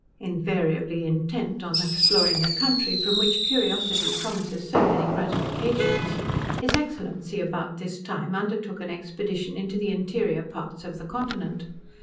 Invariably intent on exploring a country, from which curiosity promises so many gratifications, his Excellency about this time undertook an expedition into the interior parts of the continent.